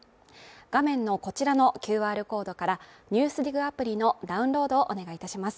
画面のこちらのＱＲコードから「ＮＥＷＳＤＩＧ」アプリのダウンロードをお願いいたします。